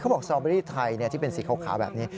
บอกสตอเบอรี่ไทยที่เป็นสีขาวแบบนี้